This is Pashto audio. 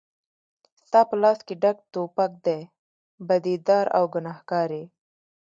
ستا په لاس کې ډک توپک دی بدي دار او ګنهګار یې